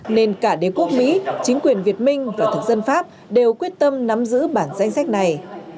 nên cả đế quốc mỹ chính quyền việt minh và thực dân pháp đều quyết tâm nắm giữ bản danh sách này